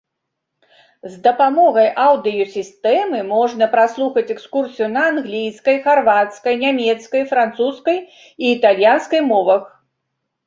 З дапамогай аўдыёсістэмы можна праслухаць экскурсію на англійскай, харвацкай, нямецкай, французскай і італьянскай мовах.